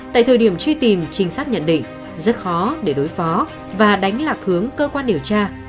tại thời điểm truy tìm trinh sát nhận định rất khó để đối phó và đánh lạc hướng cơ quan điều tra